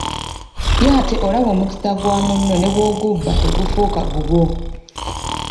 Ye ate olaba omukisa gwa munno nebwoguba tegufuuka gugwo.